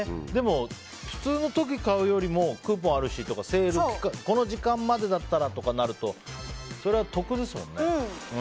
でも、普通の時買うよりもクーポンあるしとかセール、この時間までだったらとかになるとそれは得ですもんね。